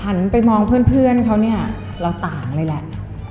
ไปมองเพื่อนเขาเนี่ยเราต่างเลยแหละ